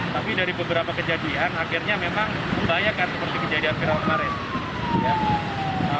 tapi dari beberapa kejadian akhirnya memang membahayakan seperti kejadian viral kemarin